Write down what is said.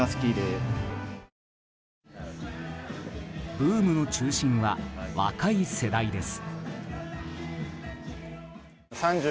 ブームの中心は若い世代です。